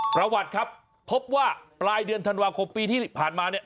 ประวัติครับพบว่าปลายเดือนธันวาคมปีที่ผ่านมาเนี่ย